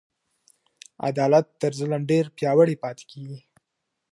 عدالت تر ظلم ډیر پیاوړی پاته کیږي.